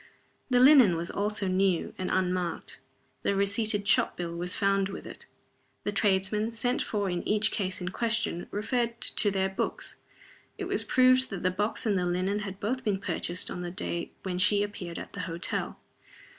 The linen was also new, and unmarked. The receipted shop bill was found with it. The tradesmen, sent for in each case and questioned, referred to their books. It was proved that the box and the linen had both been purchased on the day when she appeared at the hotel.